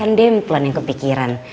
kan dia yang pelan yang kepikiran